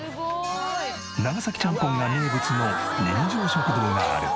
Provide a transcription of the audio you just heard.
長崎ちゃんぽんが名物の人情食堂がある。